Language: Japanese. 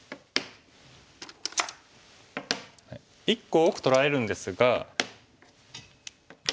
１個多く取られるんですが。